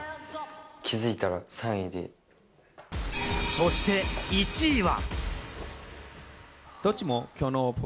そして１位は。